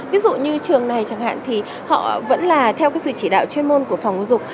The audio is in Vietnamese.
ví dụ như trường này chẳng hạn thì họ vẫn là theo cái sự chỉ đạo chuyên môn của phòng giáo dục